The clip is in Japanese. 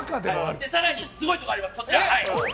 更にすごいところあります。